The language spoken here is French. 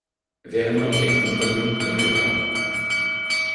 Vernon est une commune rurale.